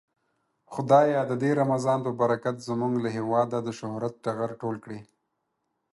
خدايه د دې رمضان په برکت زمونږ له هيواده د شهرت ټغر ټول کړې.